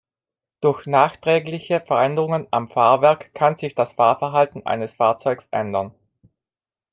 Durch nachträgliche Veränderungen am Fahrwerk kann sich das Fahrverhalten eines Fahrzeugs ändern.